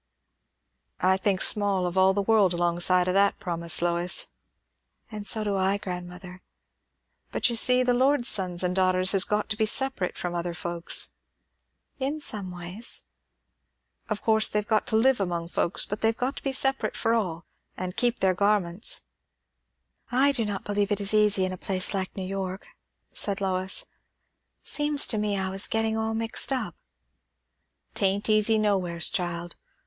"I think small of all the world, alongside o' that promise, Lois." "And so do I, grandmother." "But, you see, the Lord's sons and daughters has got to be separate from other folks." "In some ways." "Of course they've got to live among folks, but they've got to be separate for all; and keep their garments." "I do not believe it is easy in a place like New York," said Lois. "Seems to me I was getting all mixed up." "'Tain't easy nowheres, child.